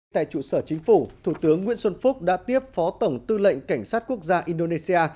tại trụ sở chính phủ thủ tướng nguyễn xuân phúc đã tiếp phó tổng tư lệnh cảnh sát quốc gia indonesia